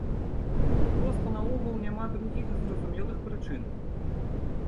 Ну проста наогул няма другіх зразумелых прычын.